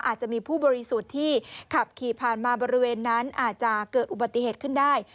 อาจจะมีผู้บริสุทธิ์ที่ขับขี่ผ่านมาบริเวณนั้นอาจจะเกิดอุบัติเหตุขึ้นได้